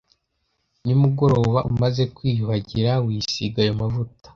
Nimugoroba umaze kwiyuhagira wisiga ayo mavuta